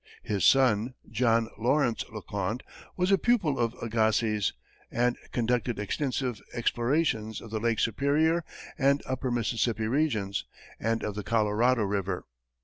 His son, John Lawrence Le Conte, was a pupil of Agassiz, and conducted extensive explorations of the Lake Superior and upper Mississippi regions, and of the Colorado river.